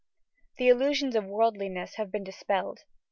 The illusions of worldliness have been dispelled.